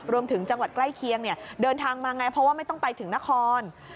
จังหวัดใกล้เคียงเดินทางมาไงเพราะว่าไม่ต้องไปถึงนคร